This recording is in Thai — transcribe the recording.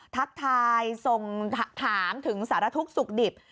ทักทายส่งถามถึงสารทุกข์สุขดิบ